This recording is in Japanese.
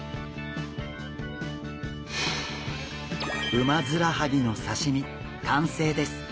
ウマヅラハギの刺身かんせいです。